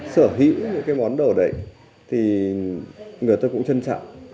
sở hữu những cái món đồ đấy thì người ta cũng trân trọng